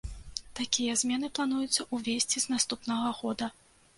Такія змены плануецца ўвесці з наступнага года.